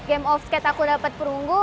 game of skate aku dapat perunggu